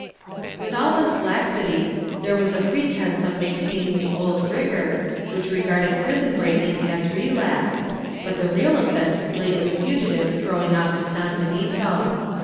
^ With all this laxity, there was a pretence of maintaining the old rigor, which regarded prison breaking as relapse, but the real offence lay in the fugitive throwing off the sanbenito.